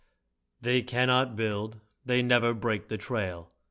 They cannot build, they never break the trail.